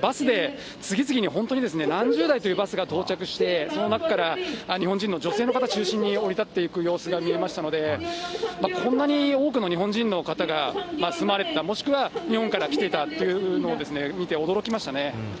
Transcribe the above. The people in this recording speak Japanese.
バスで次々に、本当に何十台というバスが到着して、その中から日本人の女性の方中心に、降り立っていく様子が見えましたので、こんなに多くの日本人の方が住まわれてた、もしくは、日本から来ていたというのを見て驚きましたね。